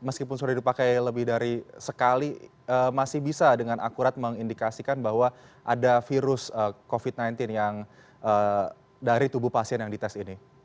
meskipun sudah dipakai lebih dari sekali masih bisa dengan akurat mengindikasikan bahwa ada virus covid sembilan belas yang dari tubuh pasien yang dites ini